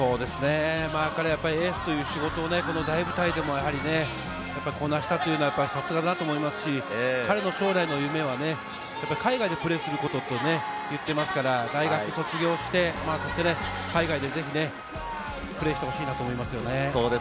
彼はエースという仕事を、この大舞台でもこなしたというのはさすがだなと思いますし、彼の将来の夢は海外でプレーすることと言っていましたので、大学を卒業して海外でぜひプレーしてほしいなと思いますね。